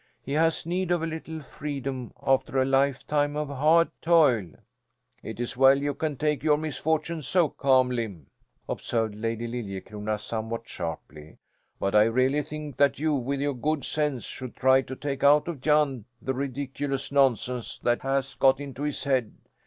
He has need of a little freedom, after a lifetime of hard toil." "It's well you can take your misfortune so calmly," observed Lady Liljecrona somewhat sharply. "But I really think that you, with your good sense, should try to take out of Jan the ridiculous nonsense that has got into his head.